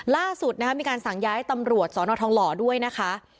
ล่าสุดนะคะมีการสั่งย้ายตำรวจสอนอทองหล่อด้วยนะคะ